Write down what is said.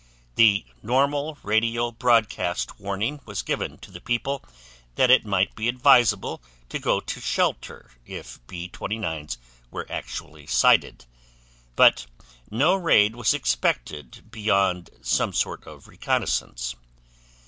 The normal radio broadcast warning was given to the people that it might be advisable to go to shelter if B 29's were actually sighted, but no raid was expected beyond some sort of reconnaissance.